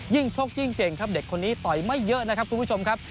ชกยิ่งเก่งครับเด็กคนนี้ต่อยไม่เยอะนะครับคุณผู้ชมครับ